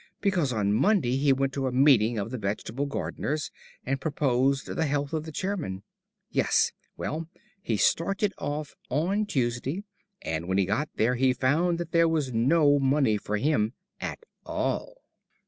Because on Monday he went to a meeting of the Vegetable Gardeners, and proposed the health of the Chairman. Yes, well he started off on Tuesday, and when he got there he found that there was no money for him at all!"